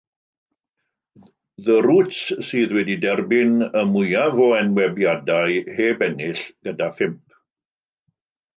The Roots sydd wedi derbyn y mwyaf o enwebiadau heb ennill, gyda phump.